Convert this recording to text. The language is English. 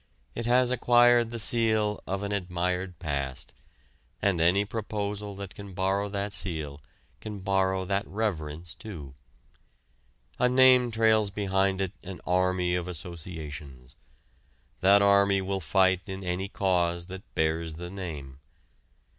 It has acquired the seal of an admired past, and any proposal that can borrow that seal can borrow that reverence too. A name trails behind it an army of associations. That army will fight in any cause that bears the name.